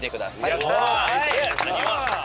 やったー！